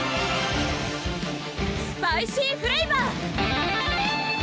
スパイシーフレイバー！